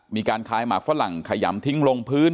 มีการคลายหมากฝรั่งขยำทิ้งลงพื้น